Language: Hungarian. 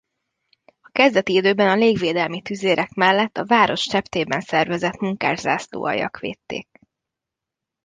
A kezdeti időkben a légvédelmi tüzérek mellett a várost sebtében szervezett munkás-zászlóaljak védték.